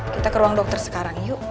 kita ke ruang dokter sekarang yuk